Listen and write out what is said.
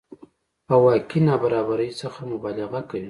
او واقعي نابرابرۍ څخه مبالغه کوي